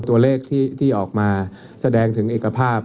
ตัวเลขที่ออกมาแสดงถึงเอกภาพ